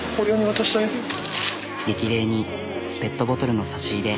激励にペットボトルの差し入れ。